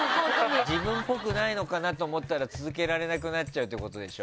自分っぽくないのかなと思ったら続けられなくなっちゃうってことでしょ。